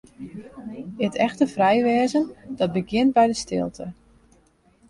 It echte frij wêzen, dat begjint by de stilte.